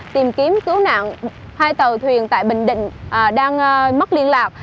tìm kiếm cứu nạn hai tàu thuyền tại bình định đang mất liên lạc